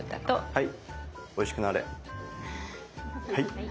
はい。